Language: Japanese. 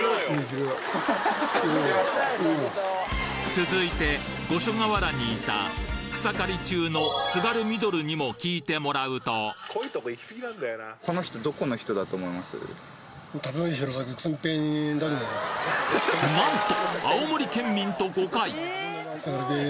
続いて五所川原にいた草刈り中の津軽ミドルにも聞いてもらうとなんと！